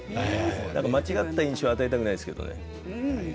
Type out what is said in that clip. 間違った印象を与えたくないですけれどね。